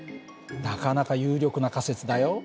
なかなか有力な仮説だよ。